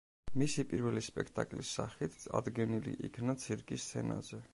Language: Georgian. მისი პირველი სპექტაკლის სახით წარდგენილი იქნა ცირკი სცენაზე.